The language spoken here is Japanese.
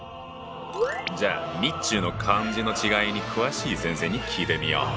じゃあ日中の漢字の違いに詳しい先生に聞いてみよう。